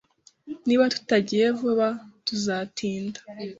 Niba tutagiye vuba, tuzatinda.